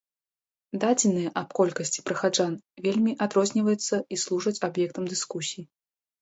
Дадзеныя аб колькасці прыхаджан вельмі адрозніваюцца і служаць аб'ектам дыскусій.